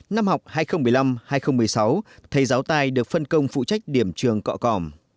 năm học hai nghìn một mươi năm hai nghìn một mươi sáu thầy giáo tài được phân công phụ trách điểm trường cọm